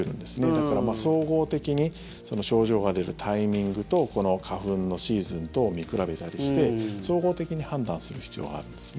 だから総合的に症状が出るタイミングとこの花粉のシーズン等を見比べたりして総合的に判断する必要があるんですね。